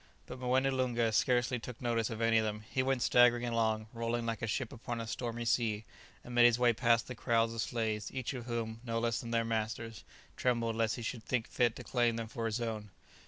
But Moené Loonga scarcely took notice of any of them; he went staggering along, rolling like a ship upon a stormy sea, and made his way past the crowds of slaves, each of whom, no less than their masters, trembled lest he should think fit to claim them for his own.